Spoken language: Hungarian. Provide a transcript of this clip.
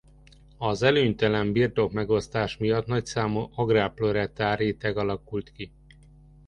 Az előnytelen birtokmegosztás miatt nagyszámú agrárproletár-réteg alakult ki.